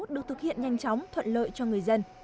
được thực hiện nhanh chóng thuận lợi cho người dân